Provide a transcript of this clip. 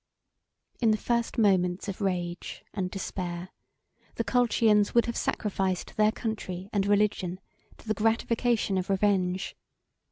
In the first moments of rage and despair, the Colchians would have sacrificed their country and religion to the gratification of revenge.